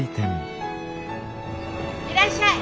いらっしゃい。